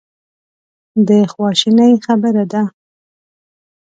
د خواشینۍ خبره ده.